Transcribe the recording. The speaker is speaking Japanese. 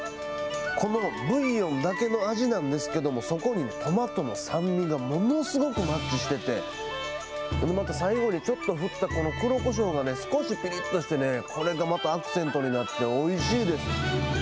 このブイヨンの味だけなんですけど、そこにトマトの酸味がものすごくマッチしてて、これまた最後にちょっと振った黒こしょうが、少しぴりっとしてね、これがまたアクセントになっておいしいです。